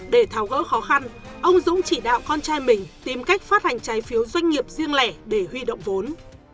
để tháo gỡ khó khăn ông dũng chỉ đạo con trai mình tìm cách phát hành trái phiếu doanh nghiệp riêng lẻ để huy động vốn